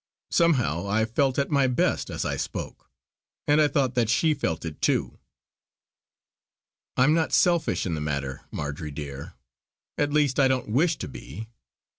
Somehow, I felt at my best as I spoke; and I thought that she felt it too: "I'm not selfish in the matter, Marjory dear; at least I don't wish to be.